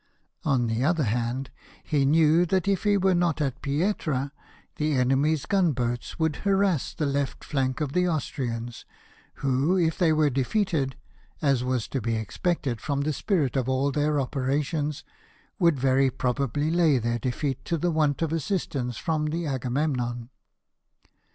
, On the other hand, he knew that if he were not at Pietra the enemy's gun boats would harass the left flank of the Austrians, who, if they were defeated, as was to be expected from the spirit of all their operations, would very probably lay their defeat to the want of assistance from the Agavievmon.